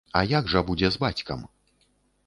А як жа будзе з бацькам?